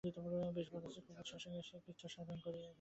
বেশ বোঝা যায়, খুব উৎসাহের সঙ্গে সে কৃচ্ছসাধন করিতেছে।